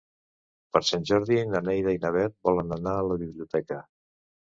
Per Sant Jordi na Neida i na Bet volen anar a la biblioteca.